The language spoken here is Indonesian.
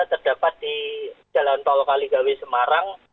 terdapat di jalan tolokaligawi semarang